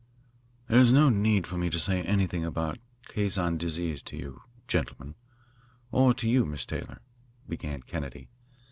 "There is no need for me to say anything about caisson disease to you, gentlemen, or to you, Miss Taylor," began Kennedy.